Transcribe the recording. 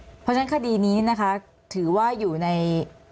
เพราะฉะนั้นคดีนี้นะคะถือว่าอยู่ใน